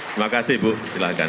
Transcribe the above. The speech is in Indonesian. terima kasih ibu silahkan